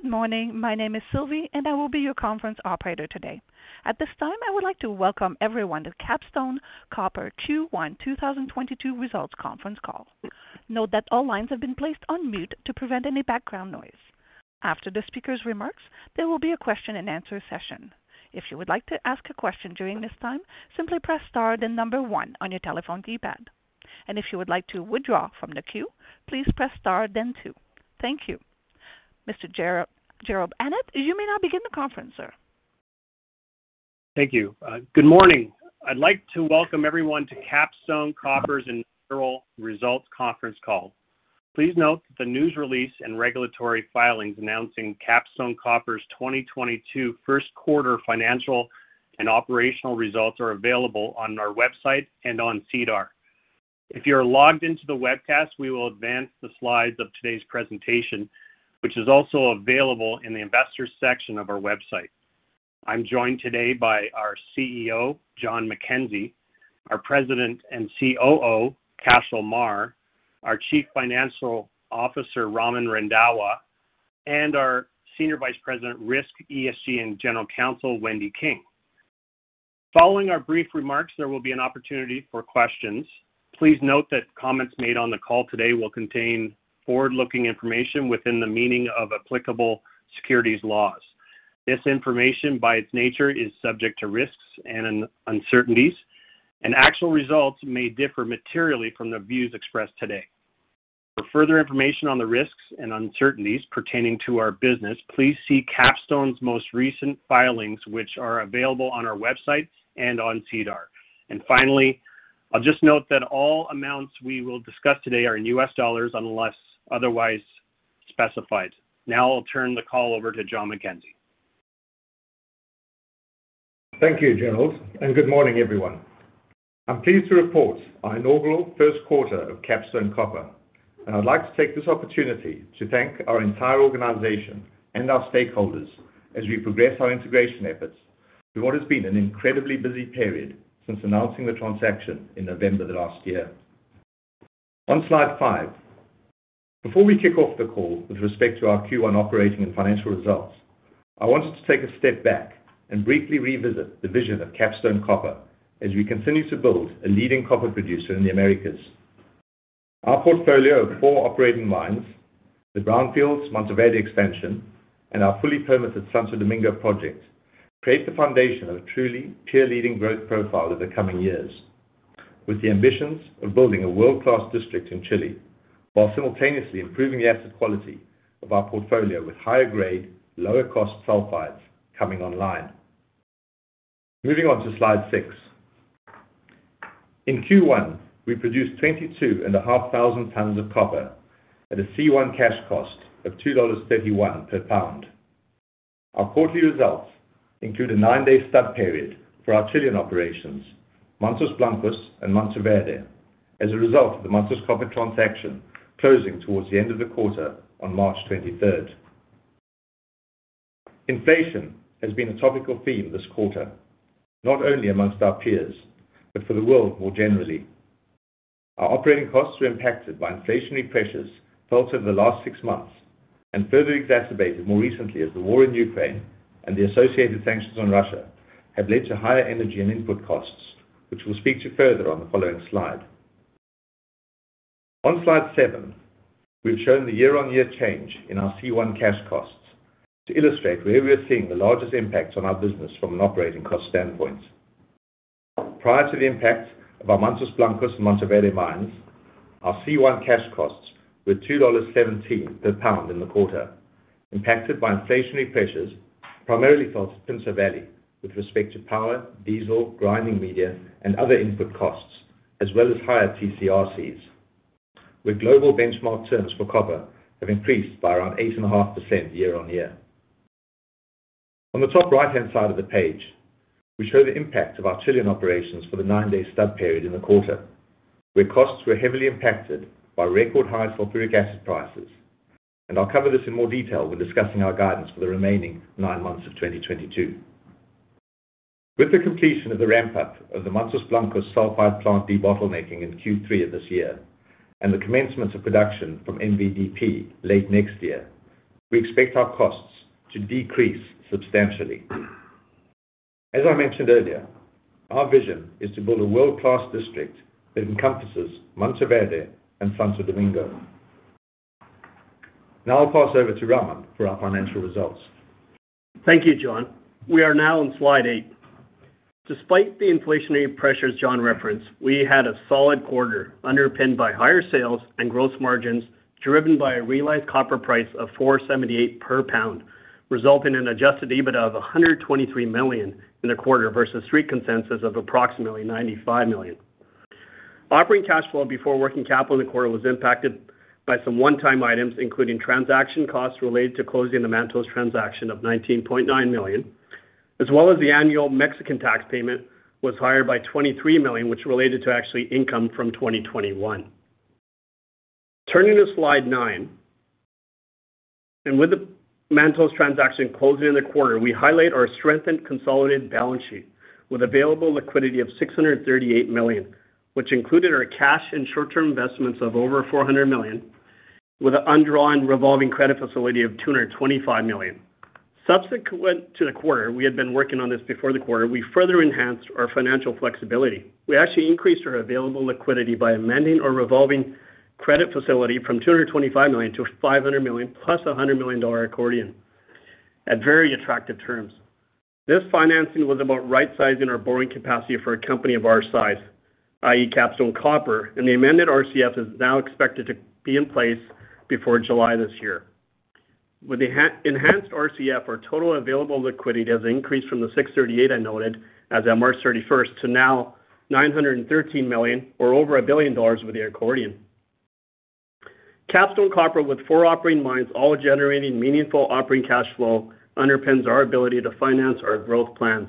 Good morning. My name is Sylvie, and I will be your conference operator today. At this time, I would like to welcome everyone to Capstone Copper 2022 Results Conference Call. Note that all lines have been placed on mute to prevent any background noise. After the speaker's remarks, there will be a question-and-answer session. If you would like to ask a question during this time, simply press star then number one on your telephone keypad. If you would like to withdraw from the queue, please press star then two. Thank you. Mr. Jerrold Annett, you may now begin the conference, sir. Thank you. Good morning. I'd like to welcome everyone to Capstone Copper's Initial Results Conference Call. Please note the news release and regulatory filings announcing Capstone Copper's 2022 first quarter financial and operational results are available on our website and on SEDAR. If you're logged into the webcast, we will advance the slides of today's presentation, which is also available in the investors section of our website. I'm joined today by our CEO, John MacKenzie, our President and COO, Cashel Meagher, our Chief Financial Officer, Raman Randhawa, and our Senior Vice President, Risk, ESG and General Counsel, Wendy King. Following our brief remarks, there will be an opportunity for questions. Please note that comments made on the call today will contain forward-looking information within the meaning of applicable securities laws. This information, by its nature, is subject to risks and uncertainties, and actual results may differ materially from the views expressed today. For further information on the risks and uncertainties pertaining to our business, please see Capstone's most recent filings, which are available on our website and on SEDAR. Finally, I'll just note that all amounts we will discuss today are in U.S. dollars unless otherwise specified. Now I'll turn the call over to John MacKenzie. Thank you, Jerrold, and good morning, everyone. I'm pleased to report our inaugural first quarter of Capstone Copper, and I'd like to take this opportunity to thank our entire organization and our stakeholders as we progress our integration efforts through what has been an incredibly busy period since announcing the transaction in November of last year. On slide five. Before we kick off the call with respect to our Q1 operating and financial results, I wanted to take a step back and briefly revisit the vision of Capstone Copper as we continue to build a leading copper producer in the Americas. Our portfolio of four operating mines, the brownfields Mantoverde expansion, and our fully permitted Santo Domingo project, create the foundation of a truly peer-leading growth profile in the coming years, with the ambitions of building a world-class district in Chile while simultaneously improving the asset quality of our portfolio with higher grade, lower cost sulfides coming online. Moving on to slide six. In Q1, we produced 22,500 tons of copper at a C1 cash cost of $2.31 per pound. Our quarterly results include a nine-day stub period for our Chilean operations, Mantos Blancos and Mantoverde, as a result of the Mantos Copper transaction closing towards the end of the quarter on March 23rd. Inflation has been a topical theme this quarter, not only amongst our peers, but for the world more generally. Our operating costs were impacted by inflationary pressures felt over the last six months and further exacerbated more recently as the war in Ukraine and the associated sanctions on Russia have led to higher energy and input costs, which we'll speak to further on the following slide. On slide seven, we've shown the year-on-year change in our C1 cash costs to illustrate where we are seeing the largest impacts on our business from an operating cost standpoint. Prior to the impact of our Mantos Blancos and Mantoverde mines, our C1 cash costs were $2.17 per pound in the quarter, impacted by inflationary pressures primarily felt at Pinto Valley with respect to power, diesel, grinding media, and other input costs, as well as higher TCRCs, where global benchmark terms for copper have increased by around 8.5% year-on-year. On the top right-hand side of the page, we show the impact of our Chilean operations for the 9-day stub period in the quarter, where costs were heavily impacted by record high sulfuric acid prices. I'll cover this in more detail when discussing our guidance for the remaining nine months of 2022. With the completion of the ramp up of the Mantos Blancos sulfide plant debottlenecking in Q3 of this year and the commencement of production from MVDP late next year, we expect our costs to decrease substantially. As I mentioned earlier, our vision is to build a world-class district that encompasses Mantoverde and Santo Domingo. Now I'll pass over to Raman for our financial results. Thank you, John. We are now on slide eight. Despite the inflationary pressures John referenced, we had a solid quarter underpinned by higher sales and gross margins, driven by a realized copper price of $4.78 per pound, resulting in Adjusted EBITDA of $123 million in the quarter versus street consensus of approximately $95 million. Operating cash flow before working capital in the quarter was impacted by some one-time items, including transaction costs related to closing the Mantos transaction of $19.9 million, as well as the annual Mexican tax payment was higher by $23 million, which related to actual income from 2021. Turning to slide nine, with the Mantos transaction closing in the quarter, we highlight our strengthened consolidated balance sheet with available liquidity of $638 million, which included our cash and short-term investments of over $400 million, with an undrawn revolving credit facility of $225 million. Subsequent to the quarter, we had been working on this before the quarter, we further enhanced our financial flexibility. We actually increased our available liquidity by amending our revolving credit facility from $225 million-$500 million plus a $100 million accordion at very attractive terms. This financing was about right-sizing our borrowing capacity for a company of our size, i.e., Capstone Copper, and the amended RCF is now expected to be in place before July this year. With the enhanced RCF, our total available liquidity has increased from the $638 million I noted as at March 31st to now $913 million or over $1 billion with the accordion. Capstone Copper with four operating mines, all generating meaningful operating cash flow, underpins our ability to finance our growth plans.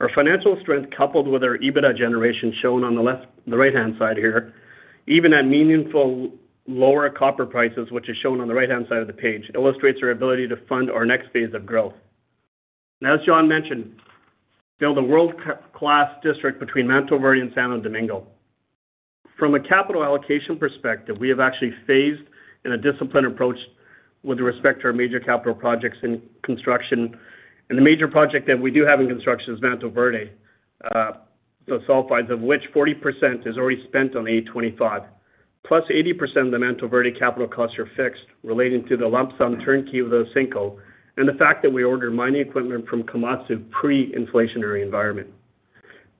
Our financial strength, coupled with our EBITDA generation shown on the left, the right-hand side here, even at meaningful lower copper prices, which is shown on the right-hand side of the page, illustrates our ability to fund our next phase of growth. As John mentioned, build a world-class district between Mantoverde and Santo Domingo. From a capital allocation perspective, we have actually phased in a disciplined approach with respect to our major capital projects in construction. The major project that we do have in construction is Mantoverde, the sulfides, of which 40% is already spent on A25. +80% of the Mantoverde capital costs are fixed relating to the lump sum turnkey of those EPCs and the fact that we order mining equipment from Komatsu pre-inflationary environment.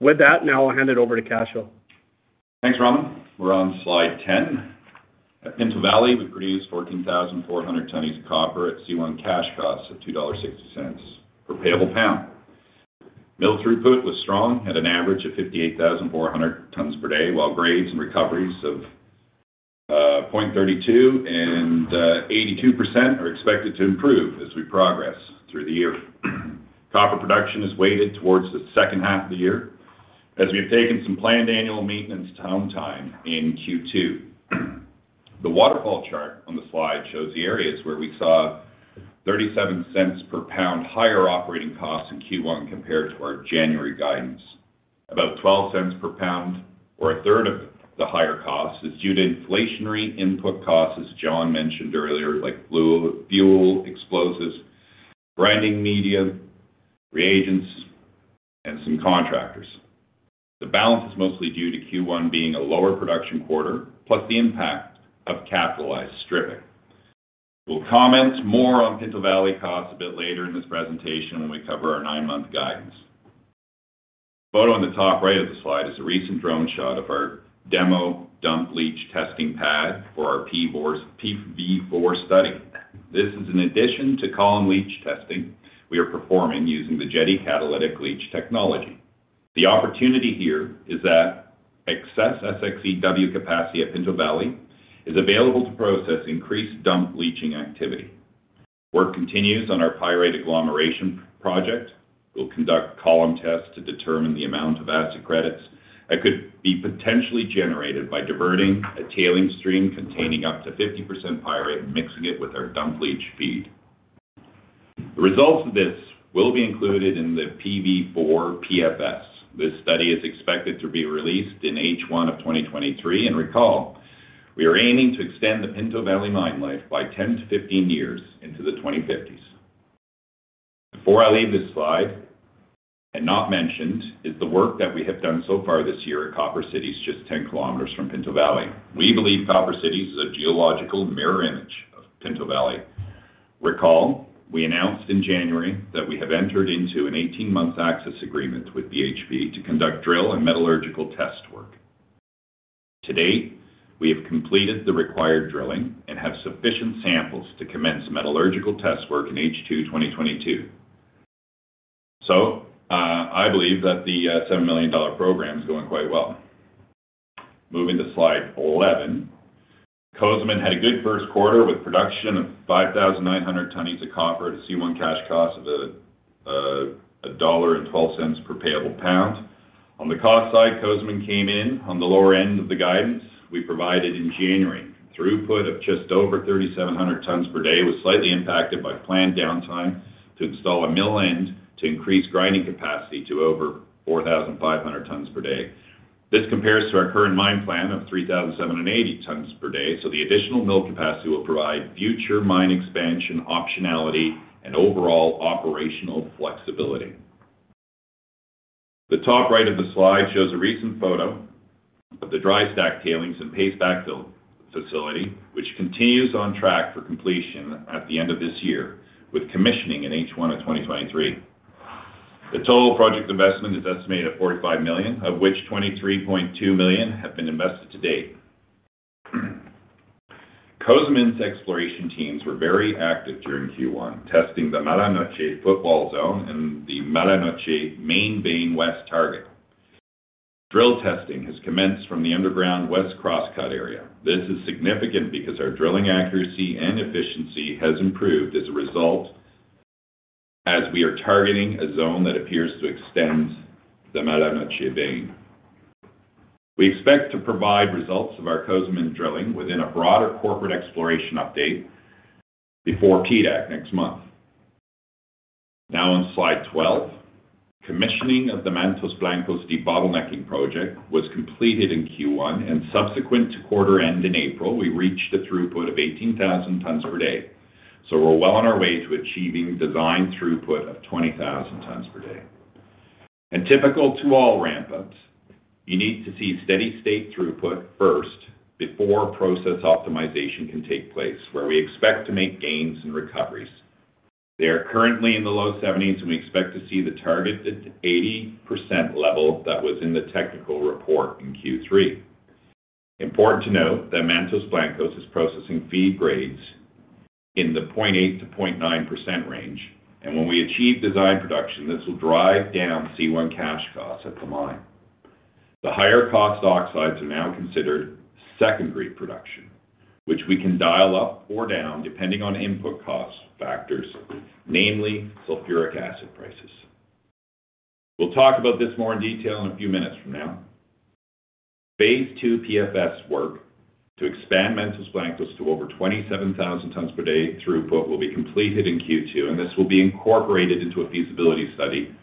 With that, now I'll hand it over to Cashel. Thanks, Raman. We're on slide ten. At Pinto Valley, we produced 14,400 tonnes of copper at C1 cash costs of $2.60 per payable pound. Mill throughput was strong at an average of 58,400 tonnes per day, while grades and recoveries of point 32% and 82% are expected to improve as we progress through the year. Copper production is weighted towards the second half of the year as we have taken some planned annual maintenance downtime in Q2. The waterfall chart on the slide shows the areas where we saw $0.37 per pound higher operating costs in Q1 compared to our January guidance. About $0.12 Per pound or a third of the higher cost is due to inflationary input costs, as John mentioned earlier, like fuel, explosives, grinding media, reagents, and some contractors. The balance is mostly due to Q1 being a lower production quarter, plus the impact of capitalized stripping. We'll comment more on Pinto Valley costs a bit later in this presentation when we cover our nine-month guidance. Photo on the top right of the slide is a recent drone shot of our demo dump leach testing pad for our PV4 study. This is in addition to column leach testing we are performing using the Jetti catalytic leach technology. The opportunity here is that excess SXEW capacity at Pinto Valley is available to process increased dump leaching activity. Work continues on our pyrite agglomeration project. We'll conduct column tests to determine the amount of acid credits that could be potentially generated by diverting a tailing stream containing up to 50% pyrite and mixing it with our dump leach feed. The results of this will be included in the PV4 PFS. This study is expected to be released in H1 of 2023. Recall, we are aiming to extend the Pinto Valley mine life by 10-15 years into the 2050s. Before I leave this slide, and not mentioned, is the work that we have done so far this year at Copper Cities, just 10 km from Pinto Valley. We believe Copper Cities is a geological mirror image of Pinto Valley. Recall, we announced in January that we have entered into an 18-month access agreement with BHP to conduct drill and metallurgical test work. To date, we have completed the required drilling and have sufficient samples to commence metallurgical test work in H2 2022. I believe that the $7 million program is going quite well. Moving to slide 11. Cozamin had a good first quarter with production of 5,900 tonnes of copper at C1 cash cost of $1.12 per payable pound. On the cost side, Cozamin came in on the lower end of the guidance we provided in January. Throughput of just over 3,700 tonnes per day was slightly impacted by planned downtime to install a mill end to increase grinding capacity to over 4,500 tonnes per day. This compares to our current mine plan of 3,780 tonnes per day, so the additional mill capacity will provide future mine expansion optionality and overall operational flexibility. The top right of the slide shows a recent photo of the dry stack tailings and paste backfill facility, which continues on track for completion at the end of this year, with commissioning in H1 2023. The total project investment is estimated at $45 million, of which $23.2 million have been invested to date. Cozamin's exploration teams were very active during Q1, testing the Mala Noche footwall zone and the Mala Noche main vein west target. Drill testing has commenced from the underground west cross-cut area. This is significant because our drilling accuracy and efficiency has improved as a result, we are targeting a zone that appears to extend the Mala Noche vein. We expect to provide results of our Cozamin drilling within a broader corporate exploration update before PDAC next month. Now on slide 12. Commissioning of the Mantos Blancos debottlenecking project was completed in Q1, and subsequent to quarter end in April, we reached a throughput of 18,000 tons per day. We're well on our way to achieving design throughput of 20,000 tons per day. Typical to all ramp-ups, you need to see steady-state throughput first before process optimization can take place, where we expect to make gains in recoveries. They are currently in the low 70s%, and we expect to see the target at 80% level that was in the technical report in Q3. Important to note that Mantos Blancos is processing feed grades in the 0.8%-0.9% range. When we achieve design production, this will drive down C1 cash costs at the mine. The higher cost oxides are now considered secondary production, which we can dial up or down depending on input cost factors, namely sulfuric acid prices. We'll talk about this more in detail in a few minutes from now. Phase two PFS work to expand Mantos Blancos to over 27,000 tons per day throughput will be completed in Q2, and this will be incorporated into a feasibility study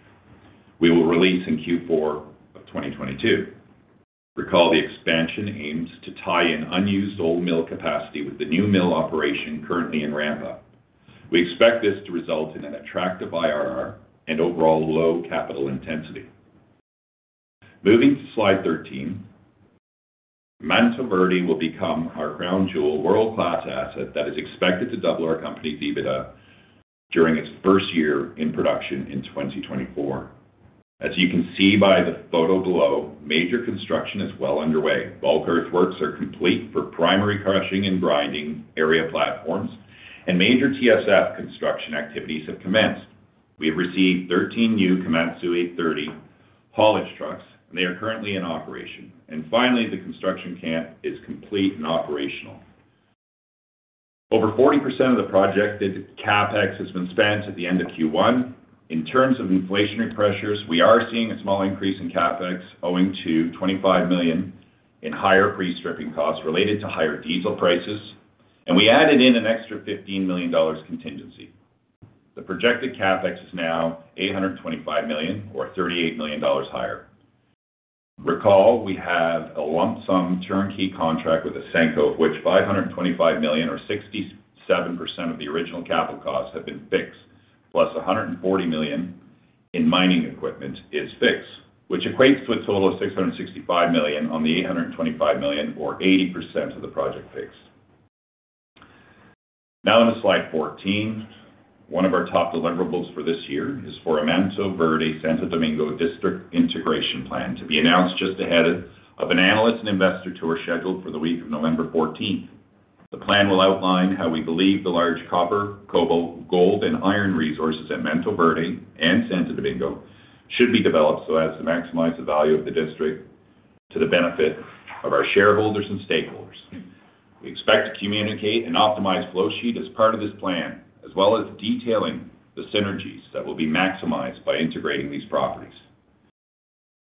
we will release in Q4 of 2022. Recall the expansion aims to tie in unused old mill capacity with the new mill operation currently in ramp-up. We expect this to result in an attractive IRR and overall low capital intensity. Moving to slide 13. Mantoverde will become our crown jewel world-class asset that is expected to double our company EBITDA during its first year in production in 2024. As you can see by the photo below, major construction is well underway. Bulk earthworks are complete for primary crushing and grinding area platforms, and major TSF construction activities have commenced. We have received 13 new Komatsu 830 haulage trucks, and they are currently in operation. Finally, the construction camp is complete and operational. Over 40% of the projected CapEx has been spent at the end of Q1. In terms of inflationary pressures, we are seeing a small increase in CapEx owing to $25 million in higher pre-stripping costs related to higher diesel prices, and we added in an extra $15 million contingency. The projected CapEx is now $825 million or $38 million higher. Recall we have a lump sum turnkey contract with Ausenco, of which $525 million or 67% of the original capital costs have been fixed, +$140 million in mining equipment is fixed, which equates to a total of $665 million on the $825 million or 80% of the project fixed. Now onto slide 14. One of our top deliverables for this year is for a Mantoverde Santo Domingo district integration plan to be announced just ahead of an analyst and investor tour scheduled for the week of November 14. The plan will outline how we believe the large copper, cobalt, gold, and iron resources at Mantoverde and Santo Domingo should be developed so as to maximize the value of the district to the benefit of our shareholders and stakeholders. We expect to communicate an optimized flow sheet as part of this plan, as well as detailing the synergies that will be maximized by integrating these properties.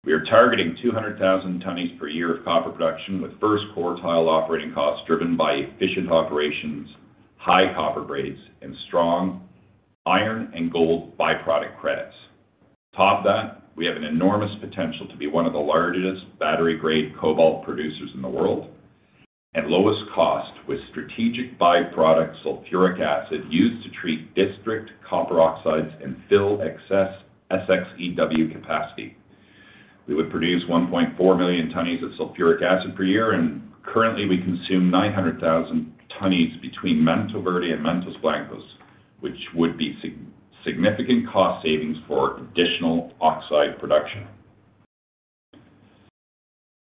We are targeting 200,000 tonnes per year of copper production with first quartile operating costs driven by efficient operations, high copper grades, and strong iron and gold byproduct credits. On top of that, we have an enormous potential to be one of the largest battery-grade cobalt producers in the world at lowest cost with strategic byproduct sulfuric acid used to treat district copper oxides and fill excess SXEW capacity. We would produce 1.4 million tonnes of sulfuric acid per year, and currently, we consume 900,000 tonnes between Mantoverde and Mantos Blancos, which would be significant cost savings for additional oxide production.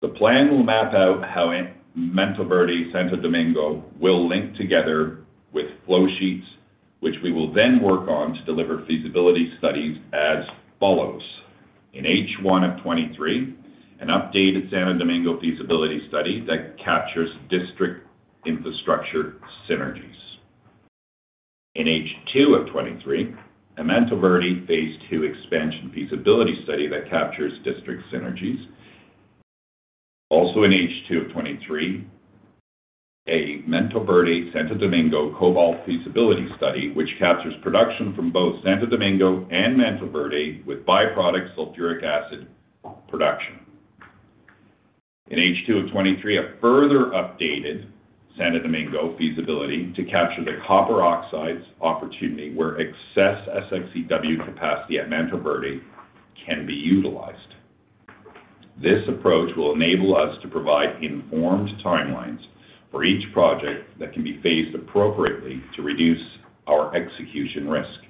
The plan will map out how Mantoverde Santo Domingo will link together with flow sheets, which we will then work on to deliver feasibility studies as follows. In H1 of 2023, an updated Santo Domingo feasibility study that captures district infrastructure synergies. In H2 of 2023, a Mantoverde phase two expansion feasibility study that captures district synergies. Also in H2 of 2023, a Mantoverde Santo Domingo cobalt feasibility study, which captures production from both Santo Domingo and Mantoverde with byproduct sulfuric acid production. In H2 of 2023, a further updated Santo Domingo feasibility to capture the copper oxides opportunity where excess SXEW capacity at Mantoverde can be utilized. This approach will enable us to provide informed timelines for each project that can be phased appropriately to reduce our execution risk.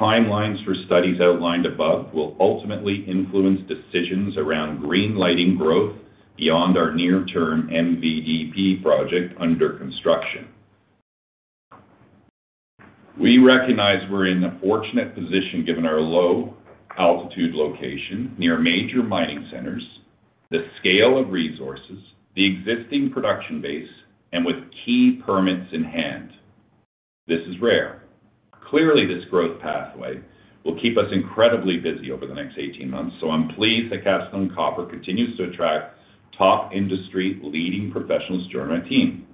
Timelines for studies outlined above will ultimately influence decisions around green-lighting growth beyond our near-term MVDP project under construction. We recognize we're in a fortunate position given our low altitude location near major mining centers, the scale of resources, the existing production base, and with key permits in hand. This is rare. Clearly, this growth pathway will keep us incredibly busy over the next 18 months, so I'm pleased that Capstone Copper continues to attract top industry leading professionals to join our team.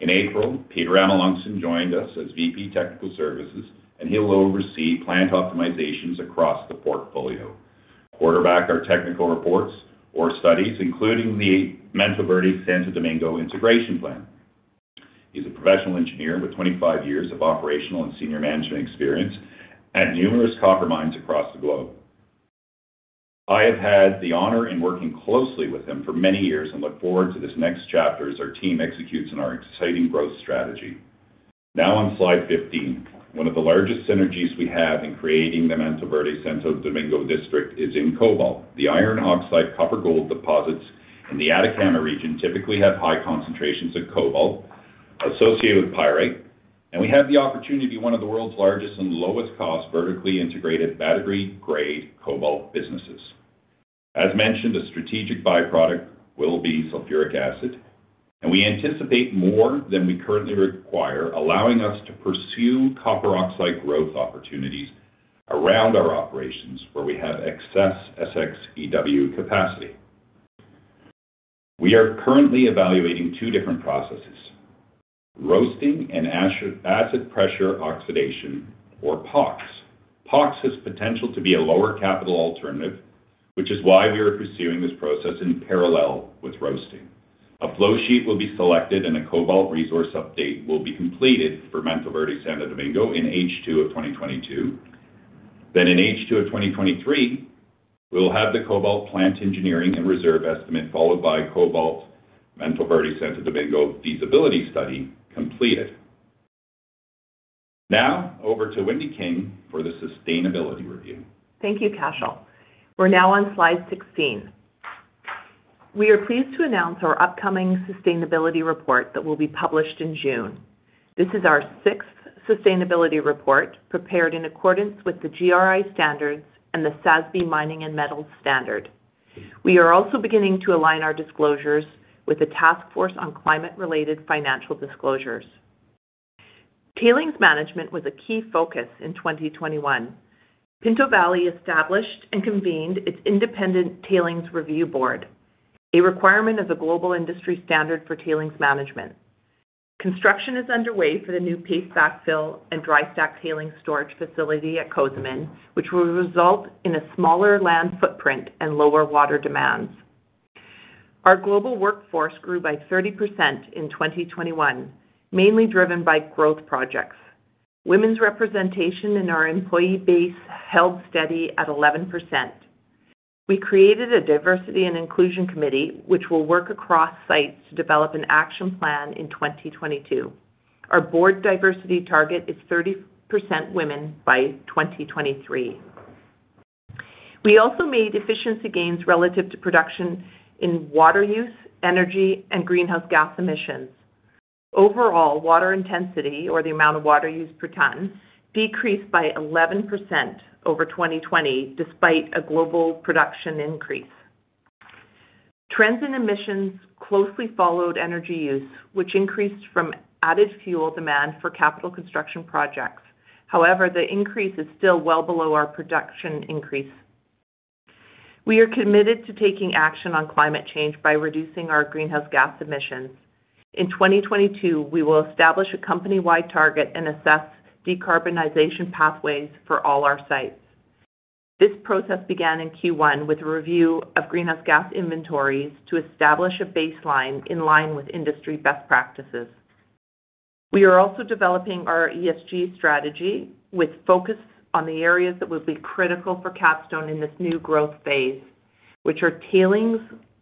In April, Peter Amelunxen joined us as VP, Technical Services, and he will oversee plant optimizations across the portfolio, quarterback our technical reports or studies, including the Mantoverde Santo Domingo integration plan. He's a professional engineer with 25 years of operational and senior management experience at numerous copper mines across the globe. I have had the honor in working closely with him for many years and look forward to this next chapter as our team executes on our exciting growth strategy. Now on slide 15, one of the largest synergies we have in creating the Mantoverde Santo Domingo district is in cobalt. The iron oxide copper gold deposits in the Atacama region typically have high concentrations of cobalt associated with pyrite, and we have the opportunity to be one of the world's largest and lowest cost vertically integrated battery-grade cobalt businesses. As mentioned, a strategic byproduct will be sulfuric acid, and we anticipate more than we currently require, allowing us to pursue copper oxide growth opportunities around our operations where we have excess SXEW capacity. We are currently evaluating two different processes, roasting and acid pressure oxidation or POX. POX has potential to be a lower capital alternative, which is why we are pursuing this process in parallel with roasting. A flow sheet will be selected and a cobalt resource update will be completed for Mantoverde Santo Domingo in H2 of 2022. In H2 of 2023, we will have the cobalt plant engineering and reserve estimate, followed by cobalt Mantoverde Santo Domingo feasibility study completed. Now over to Wendy King for the sustainability review. Thank you, Cashel. We're now on slide 16. We are pleased to announce our upcoming sustainability report that will be published in June. This is our sixth sustainability report prepared in accordance with the GRI standards and the SASB Mining and Metals Standard. We are also beginning to align our disclosures with the Task Force on Climate-related Financial Disclosures. Tailings management was a key focus in 2021. Pinto Valley established and convened its independent tailings review board, a requirement of the Global Industry Standard on Tailings Management. Construction is underway for the new paste backfill and dry stack tailings storage facility at Cozamin, which will result in a smaller land footprint and lower water demands. Our global workforce grew by 30% in 2021, mainly driven by growth projects. Women's representation in our employee base held steady at 11%. We created a diversity and inclusion committee, which will work across sites to develop an action plan in 2022. Our board diversity target is 30% women by 2023. We also made efficiency gains relative to production in water use, energy, and greenhouse gas emissions. Overall, water intensity or the amount of water used per ton decreased by 11% over 2020, despite a global production increase. Trends in emissions closely followed energy use, which increased from added fuel demand for capital construction projects. However, the increase is still well below our production increase. We are committed to taking action on climate change by reducing our greenhouse gas emissions. In 2022, we will establish a company-wide target and assess decarbonization pathways for all our sites. This process began in Q1 with a review of greenhouse gas inventories to establish a baseline in line with industry best practices. We are also developing our ESG strategy with focus on the areas that would be critical for Capstone in this new growth phase, which are tailings,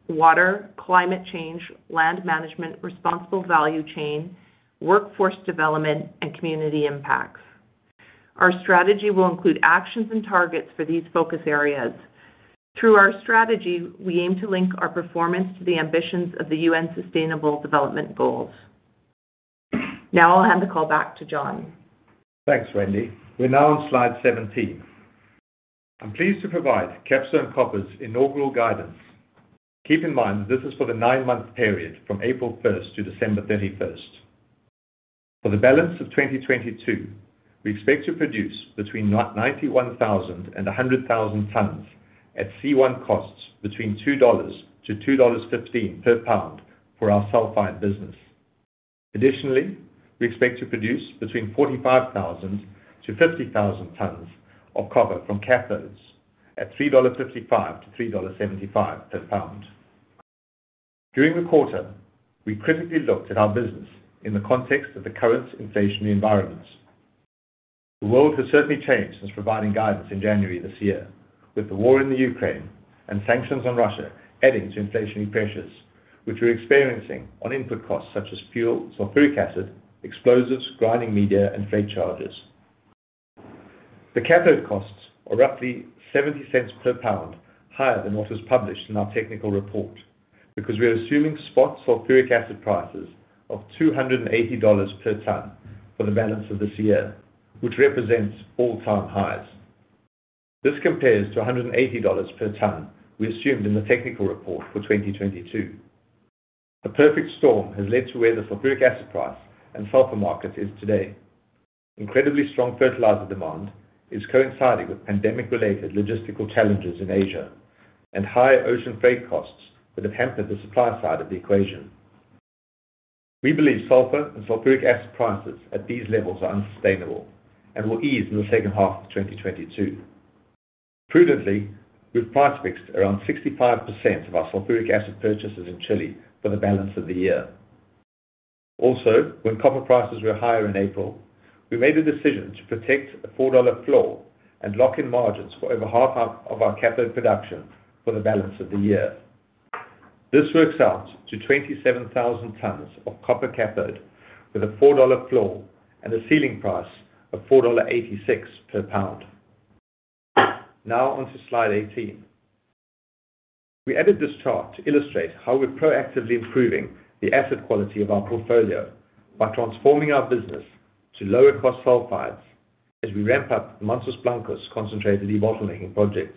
water, climate change, land management, responsible value chain, workforce development, and community impacts. Our strategy will include actions and targets for these focus areas. Through our strategy, we aim to link our performance to the ambitions of the UN Sustainable Development Goals. Now I'll hand the call back to John. Thanks, Wendy. We're now on slide 17. I'm pleased to provide Capstone Copper's inaugural guidance. Keep in mind, this is for the nine-month period from April 1st-December 31st. For the balance of 2022, we expect to produce between 91,000 and 100,000 tons at C1 costs between $2-$2.15 per pound for our sulfide business. Additionally, we expect to produce between 45,000-50,000 tons of copper from cathodes at $3.55-$3.75 per pound. During the quarter, we critically looked at our business in the context of the current inflationary environment. The world has certainly changed since providing guidance in January this year. With the war in the Ukraine and sanctions on Russia adding to inflationary pressures, which we're experiencing on input costs such as fuel, sulfuric acid, explosives, grinding media, and freight charges. The cathode costs are roughly $0.70 per pound higher than what was published in our technical report because we are assuming spot sulfuric acid prices of $280 per ton for the balance of this year, which represents all-time highs. This compares to $180 per ton we assumed in the technical report for 2022. The perfect storm has led to where the sulfuric acid price and sulfur market is today. Incredibly strong fertilizer demand is coinciding with pandemic-related logistical challenges in Asia and high ocean freight costs that have hampered the supply side of the equation. We believe sulfur and sulfuric acid prices at these levels are unsustainable and will ease in the second half of 2022. Prudently, we've price mixed around 65% of our sulfuric acid purchases in Chile for the balance of the year. Also, when copper prices were higher in April, we made a decision to protect a $4 floor and lock in margins for over half of our cathode production for the balance of the year. This works out to 27,000 tons of copper cathode with a $4 floor and a ceiling price of $4.86 per pound. Now on to slide 18. We added this chart to illustrate how we're proactively improving the asset quality of our portfolio by transforming our business to lower-cost sulfides as we ramp up Mantos Blancos concentrate debottlenecking project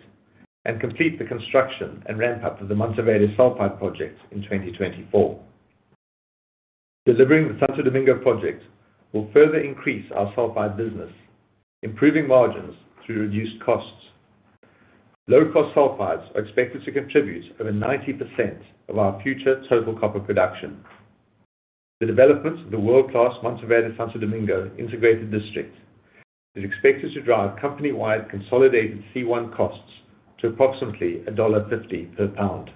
and complete the construction and ramp up of the Mantoverde sulfide project in 2024. Delivering the Santo Domingo project will further increase our sulfide business, improving margins through reduced costs. Low-cost sulfides are expected to contribute over 90% of our future total copper production. The development of the world-class Mantoverde Santo Domingo integrated district is expected to drive company-wide consolidated C1 costs to approximately $1.50 per pound.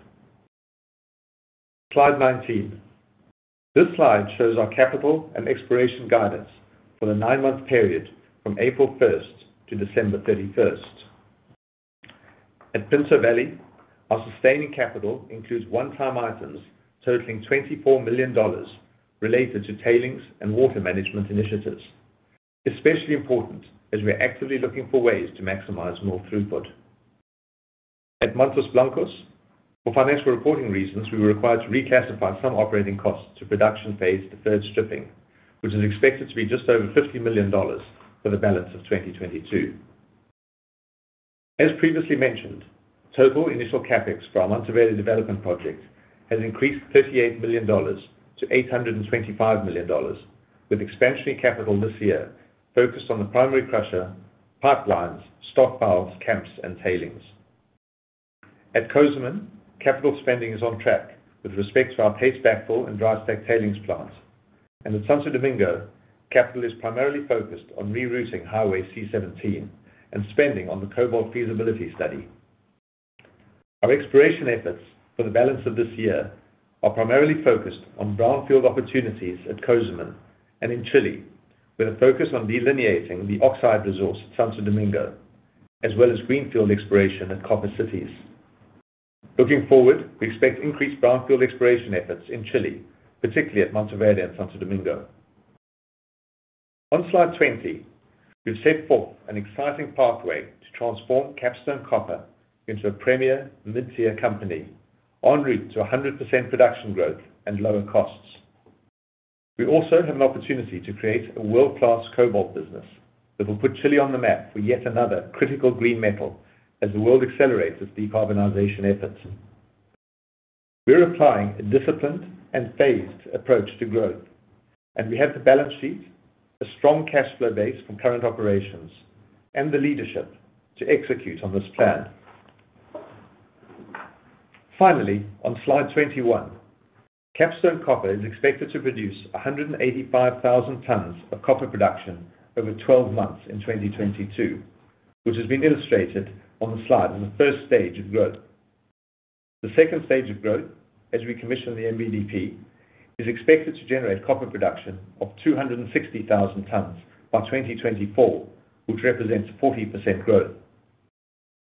Slide 19. This slide shows our capital and exploration guidance for the nine-month period from April 1st-December 31st. At Pinto Valley, our sustaining capital includes one-time items totaling $24 million related to tailings and water management initiatives, especially important as we are actively looking for ways to maximize mill throughput. At Mantos Blancos, for financial reporting reasons, we were required to reclassify some operating costs to production phase deferred stripping, which is expected to be just over $50 million for the balance of 2022. As previously mentioned, total initial CapEx for our Mantoverde development project has increased $38 million-$825 million, with expansion capital this year focused on the primary crusher, pipelines, stockpiles, camps and tailings. At Cozamin, capital spending is on track with respect to our paste backfill and dry stack tailings plant. At Santo Domingo, capital is primarily focused on rerouting Highway C-17 and spending on the cobalt feasibility study. Our exploration efforts for the balance of this year are primarily focused on brownfield opportunities at Cozamin and in Chile, with a focus on delineating the oxide resource at Santo Domingo as well as greenfield exploration at Copper Cities. Looking forward, we expect increased brownfield exploration efforts in Chile, particularly at Mantoverde and Santo Domingo. On slide 20, we've set forth an exciting pathway to transform Capstone Copper into a premier mid-tier company en route to 100% production growth and lower costs. We also have an opportunity to create a world-class cobalt business that will put Chile on the map for yet another critical green metal as the world accelerates its decarbonization efforts. We're applying a disciplined and phased approach to growth, and we have the balance sheet, a strong cash flow base from current operations, and the leadership to execute on this plan. Finally, on slide 21, Capstone Copper is expected to produce 185,000 tons of copper production over 12 months in 2022, which has been illustrated on the slide as the first stage of growth. The second stage of growth, as we commission the MBDP, is expected to generate copper production of 260,000 tons by 2024, which represents 40% growth.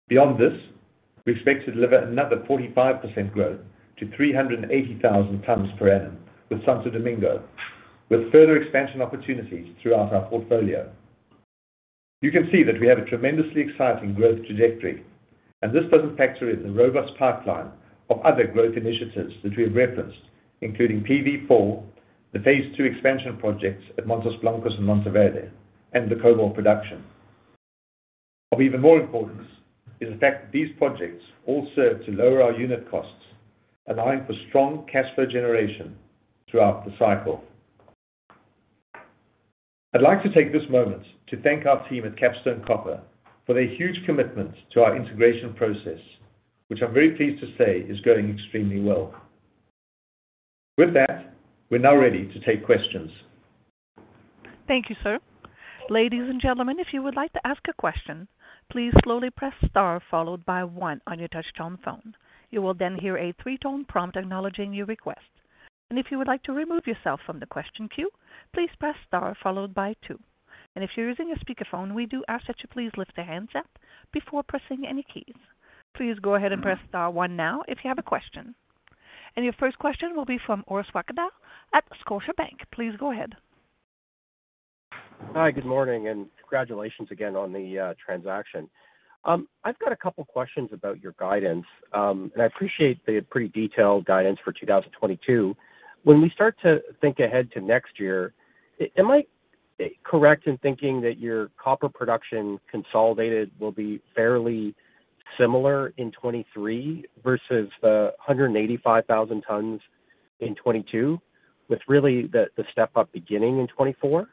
Beyond this, we expect to deliver another 45% growth to 380,000 tons per annum with Santo Domingo, with further expansion opportunities throughout our portfolio. You can see that we have a tremendously exciting growth trajectory, and this doesn't factor in the robust pipeline of other growth initiatives that we have referenced, including PV4, the phase II expansion projects at Mantos Blancos and Mantoverde, and the cobalt production. Of even more importance is the fact that these projects all serve to lower our unit costs, allowing for strong cash flow generation throughout the cycle. I'd like to take this moment to thank our team at Capstone Copper for their huge commitment to our integration process, which I'm very pleased to say is going extremely well. With that, we're now ready to take questions. Thank you, sir. Ladies and gentlemen, if you would like to ask a question, please slowly press star followed by one on your touchtone phone. You will then hear a three-tone prompt acknowledging your request. If you would like to remove yourself from the question queue, please press star followed by two. If you're using a speakerphone, we do ask that you please lift the handset before pressing any keys. Please go ahead and press star one now if you have a question. Your first question will be from Orest Wowkodaw at Scotiabank. Please go ahead. Hi, good morning, and congratulations again on the transaction. I've got a couple questions about your guidance, and I appreciate the pretty detailed guidance for 2022. When we start to think ahead to next year, am I correct in thinking that your copper production consolidated will be fairly similar in 2023 versus the 185,000 tons? In 2022, with really the step up beginning in 2024.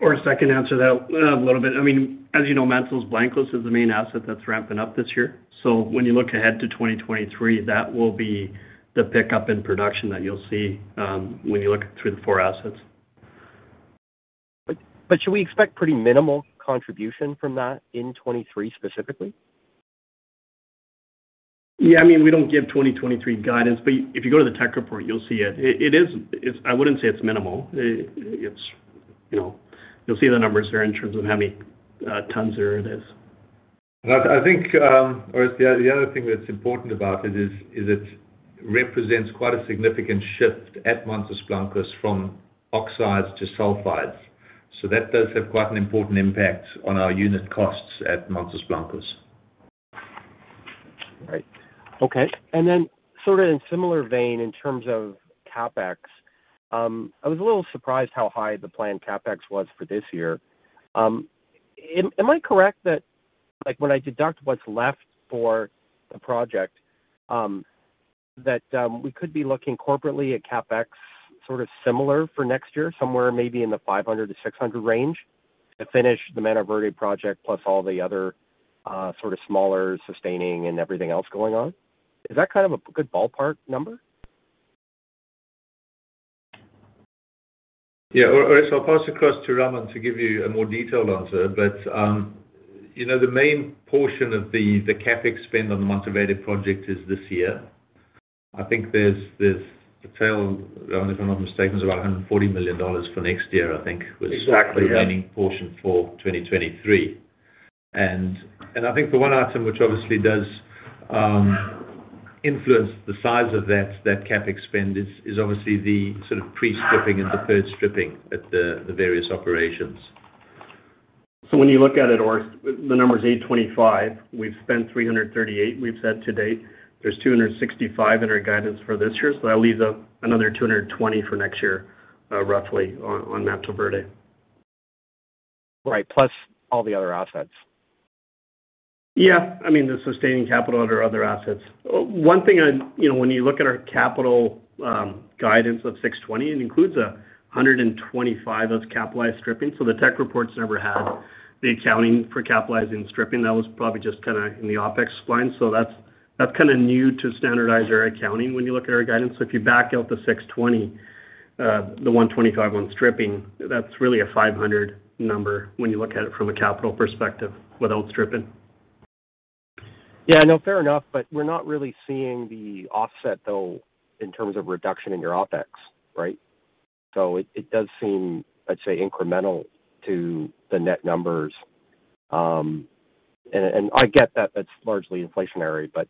If I can answer that a little bit. I mean, as you know, Mantos Blancos is the main asset that's ramping up this year. When you look ahead to 2023, that will be the pickup in production that you'll see, when you look through the four assets. Should we expect pretty minimal contribution from that in 2023 specifically? Yeah. I mean, we don't give 2023 guidance, but if you go to the tech report, you'll see it. It is. I wouldn't say it's minimal. It's, you know. You'll see the numbers there in terms of how many tons there it is. I think, Orest, the other thing that's important about it is it represents quite a significant shift at Mantos Blancos from oxides to sulfides. That does have quite an important impact on our unit costs at Mantos Blancos. Right. Okay. Sort of in similar vein, in terms of CapEx, I was a little surprised how high the planned CapEx was for this year. Am I correct that, like, when I deduct what's left for the project, that we could be looking corporately at CapEx sort of similar for next year, somewhere maybe in the $500-$600 range to finish the Mantoverde project, plus all the other, sort of smaller, sustaining and everything else going on? Is that kind of a good ballpark number? Yeah. Orest, I'll pass across to Raman to give you a more detailed answer. You know, the main portion of the CapEx spend on the Mantoverde project is this year. I think there's the tail, if I'm not mistaken, is about $140 million for next year, I think. Exactly, yeah. With the remaining portion for 2023. I think the one item which obviously does influence the size of that CapEx spend is obviously the sort of pre-stripping and the third stripping at the various operations. When you look at it, Orest, the number is $825. We've spent $338, we've said to date. There's $265 in our guidance for this year. That leaves us another $220 for next year, roughly on that Mantoverde. Right. Plus all the other assets. Yeah. I mean, the sustaining capital at our other assets. One thing. You know, when you look at our capital guidance of $620, it includes $125 of capitalized stripping. The tech reports never had the accounting for capitalizing stripping. That was probably just kinda in the OpEx spend. That's kinda new to standardize our accounting when you look at our guidance. If you back out the $620, the $125 on stripping, that's really a $500 number when you look at it from a capital perspective without stripping. Yeah, no, fair enough. We're not really seeing the offset, though, in terms of reduction in your OpEx, right? It does seem, I'd say, incremental to the net numbers. I get that that's largely inflationary, but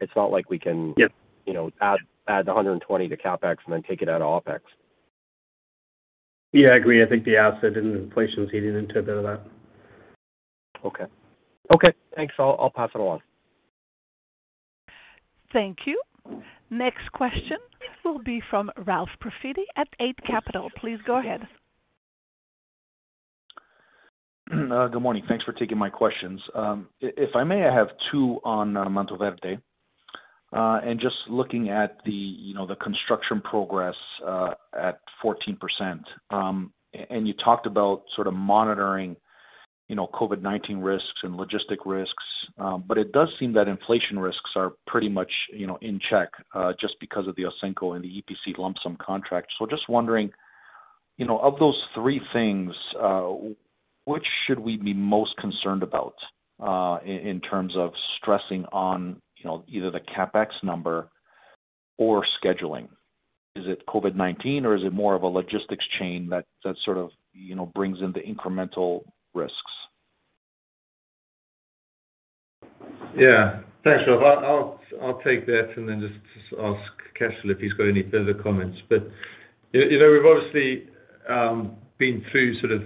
it's not like we can. Yeah. You know, add the $120 to CapEx and then take it out of OpEx. Yeah, I agree. I think the asset inflation is heating up a bit of that. Okay. Okay, thanks. I'll pass it along. Thank you. Next question will be from Ralph Profiti at Eight Capital. Please go ahead. Good morning. Thanks for taking my questions. If I may, I have two on Mantoverde. Just looking at the construction progress, you know, at 14%, you talked about sort of monitoring, you know, COVID-19 risks and logistic risks. It does seem that inflation risks are pretty much, you know, in check just because of the Ausenco and the EPC lump sum contract. Just wondering, you know, of those three things, which should we be most concerned about in terms of stressing on, you know, either the CapEx number or scheduling? Is it COVID-19 or is it more of a logistics chain that sort of, you know, brings in the incremental risks? Yeah. Thanks, Ralph. I'll take that and then just ask Cashel if he's got any further comments. You know, we've obviously been through sort of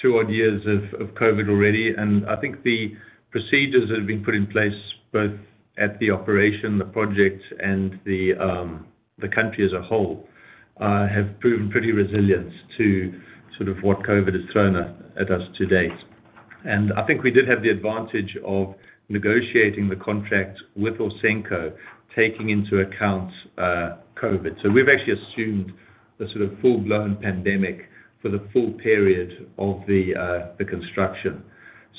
two odd years of COVID already, and I think the procedures that have been put in place, both at the operation, the project and the country as a whole, have proven pretty resilient to sort of what COVID has thrown at us to date. I think we did have the advantage of negotiating the contract with Ausenco, taking into account COVID. We've actually assumed the sort of full-blown pandemic for the full period of the construction.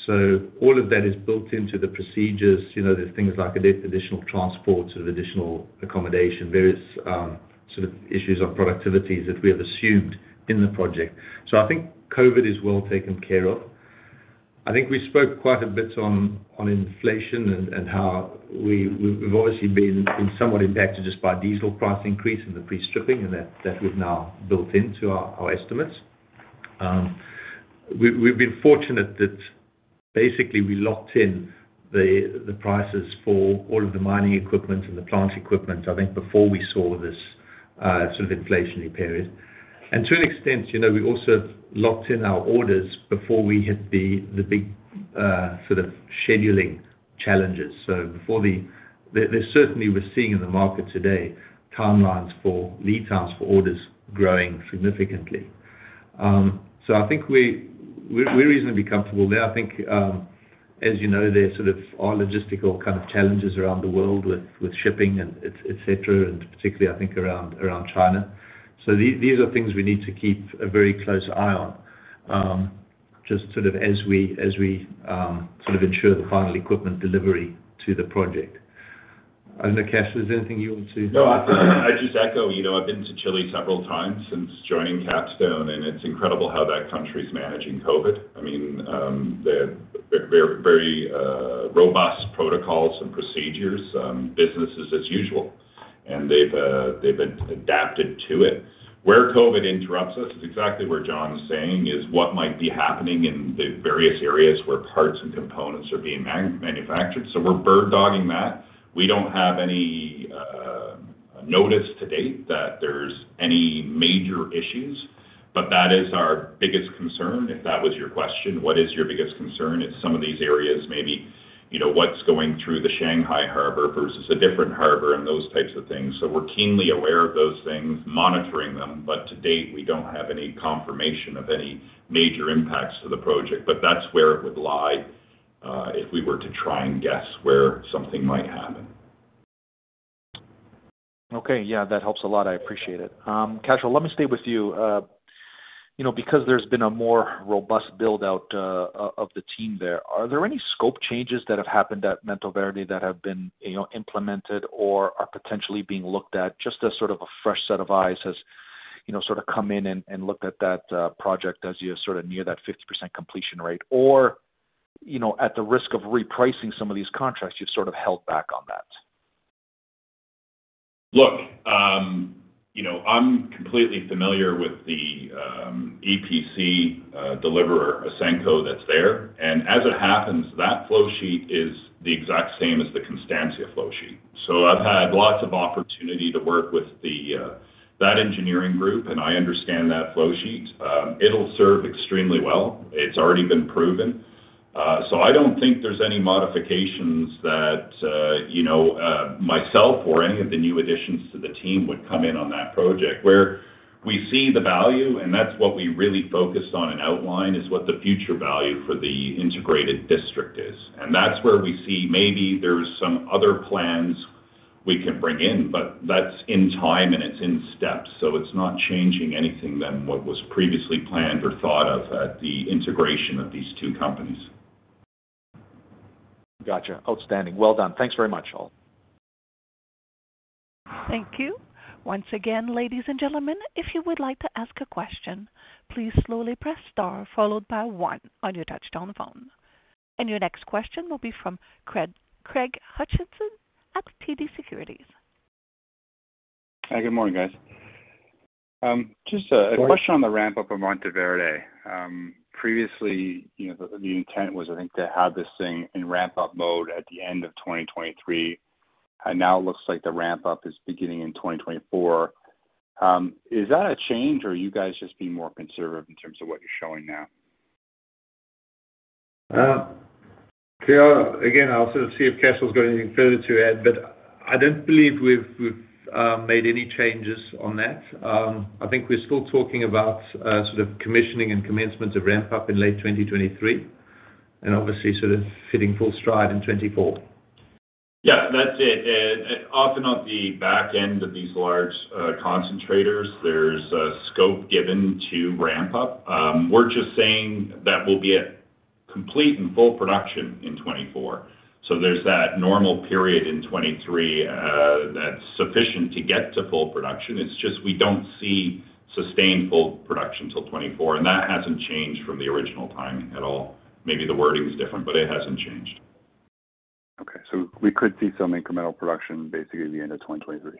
All of that is built into the procedures. You know, there's things like additional transport, sort of additional accommodation, various sort of issues of productivities that we have assumed in the project. I think COVID is well taken care of. I think we spoke quite a bit on inflation and how we've obviously been somewhat impacted just by diesel price increase and the pre-stripping and that we've now built into our estimates. We've been fortunate that basically we locked in the prices for all of the mining equipment and the plant equipment, I think before we saw this sort of inflationary period. To an extent, you know, we also locked in our orders before we hit the big sort of scheduling challenges. We're seeing in the market today lead times for orders growing significantly. I think we're reasonably comfortable there. I think, as you know, there sort of are logistical kind of challenges around the world with shipping and et cetera, and particularly I think around China. These are things we need to keep a very close eye on, just sort of as we ensure the final equipment delivery to the project. I don't know, Cashel, is there anything you want to? No, I just echo. You know, I've been to Chile several times since joining Capstone, and it's incredible how that country is managing COVID. I mean, they're very robust protocols and procedures, business as usual. They've been adapted to it. Where COVID interrupts us is exactly where John is saying, is what might be happening in the various areas where parts and components are being manufactured. We're bird-dogging that. We don't have any notice to date that there's any major issues, but that is our biggest concern, if that was your question. What is your biggest concern if some of these areas maybe, you know, what's going through the Shanghai Harbor versus a different harbor and those types of things. We're keenly aware of those things, monitoring them, but to date, we don't have any confirmation of any major impacts to the project. That's where it would lie, if we were to try and guess where something might happen. Okay. Yeah, that helps a lot. I appreciate it. Cashel, well, let me stay with you. You know, because there's been a more robust build-out of the team there, are there any scope changes that have happened at Mantoverde that have been, you know, implemented or are potentially being looked at just as sort of a fresh set of eyes has, you know, sort of come in and looked at that project as you're sort of near that 50% completion rate? Or, you know, at the risk of repricing some of these contracts, you've sort of held back on that. Look, you know, I'm completely familiar with the EPC deliverer, Ausenco, that's there. As it happens, that flow sheet is the exact same as the Constancia flow sheet. I've had lots of opportunity to work with that engineering group, and I understand that flow sheet. It'll serve extremely well. It's already been proven. I don't think there's any modifications that you know myself or any of the new additions to the team would come in on that project. Where we see the value, and that's what we really focused on and outlined, is what the future value for the integrated district is. That's where we see maybe there's some other plans we can bring in, but that's in time and it's in steps. It's not changing anything than what was previously planned or thought of at the integration of these two companies. Gotcha. Outstanding. Well done. Thanks very much, all. Thank you. Once again, ladies and gentlemen, if you would like to ask a question, please slowly press star followed by one on your touch-tone phone. Your next question will be from Craig Hutchinson at TD Securities. Hi, good morning, guys. Just a question- Good morning. On the ramp up of Mantoverde. Previously, you know, the intent was, I think, to have this thing in ramp-up mode at the end of 2023. Now it looks like the ramp up is beginning in 2024. Is that a change or are you guys just being more conservative in terms of what you're showing now? Again, I'll sort of see if Cash has got anything further to add, but I don't believe we've made any changes on that. I think we're still talking about sort of commissioning and commencement of ramp up in late 2023, and obviously sort of hitting full stride in 2024. Yeah, that's it. Often on the back end of these large concentrators, there's a scope given to ramp up. We're just saying that we'll be at complete and full production in 2024. There's that normal period in 2023 that's sufficient to get to full production. It's just we don't see sustained full production till 2024, and that hasn't changed from the original timing at all. Maybe the wording is different, but it hasn't changed. Okay. We could see some incremental production basically at the end of 2023.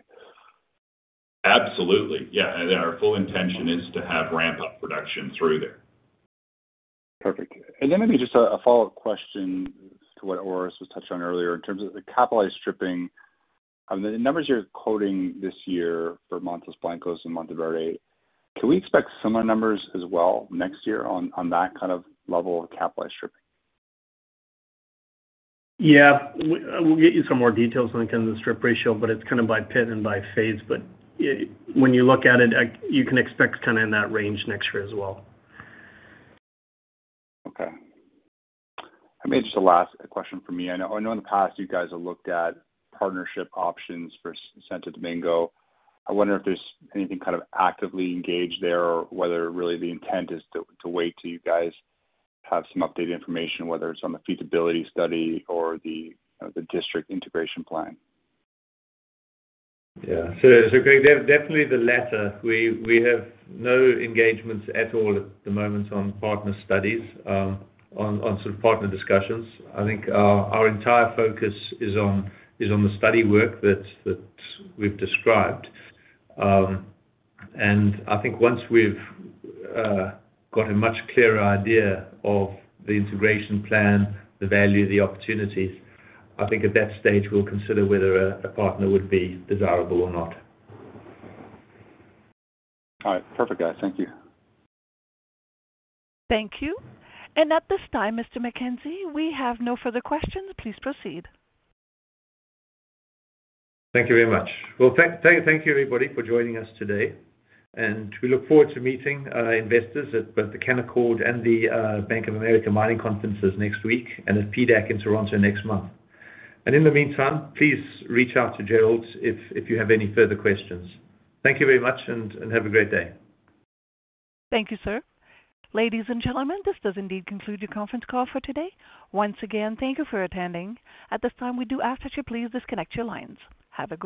Absolutely. Yeah. Our full intention is to have ramp-up production through there. Perfect. Then maybe just a follow-up question to what Orest touched on earlier in terms of the capitalized stripping. The numbers you're quoting this year for Mantos Blancos and Mantoverde, can we expect similar numbers as well next year on that kind of level of capitalized stripping? Yeah. We'll get you some more details on the strip ratio, but it's kinda by pit and by phase. When you look at it, you can expect kinda in that range next year as well. Okay. Maybe just a last question from me. I know, I know in the past you guys have looked at partnership options for Santo Domingo. I wonder if there's anything kind of actively engaged there or whether really the intent is to wait till you guys have some updated information, whether it's on the feasibility study or the district integration plan. Craig, definitely the latter. We have no engagements at all at the moment on partner studies, on sort of partner discussions. I think our entire focus is on the study work that we've described. I think once we've got a much clearer idea of the integration plan, the value, the opportunities, at that stage we'll consider whether a partner would be desirable or not. All right. Perfect, guys. Thank you. Thank you. At this time, Mr. MacKenzie, we have no further questions. Please proceed. Thank you very much. Well, thank you everybody for joining us today, and we look forward to meeting investors at both the Canaccord and the Bank of America Mining Conferences next week, and at PDAC in Toronto next month. In the meantime, please reach out to Jerrold if you have any further questions. Thank you very much and have a great day. Thank you, sir. Ladies and gentlemen, this does indeed conclude your conference call for today. Once again, thank you for attending. At this time, we do ask that you please disconnect your lines. Have a good day.